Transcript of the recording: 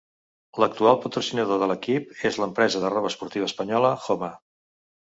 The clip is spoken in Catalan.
L'actual patrocinador de l'equip és l'empresa de roba esportiva espanyola Joma.